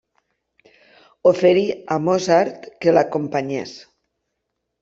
Oferí a Mozart que l'acompanyés.